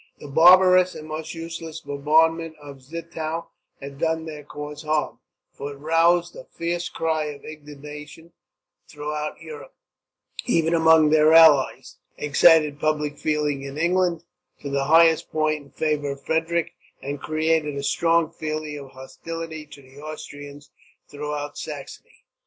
Their barbarous and most useless bombardment of Zittau had done their cause harm; for it roused a fierce cry of indignation throughout Europe, even among their allies; excited public feeling in England to the highest point in favour of Frederick; and created a strong feeling of hostility to the Austrians throughout Saxony.